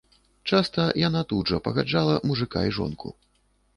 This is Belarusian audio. Часта яна тут жа пагаджала мужыка і жонку.